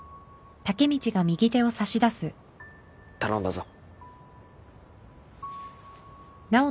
頼んだぞ。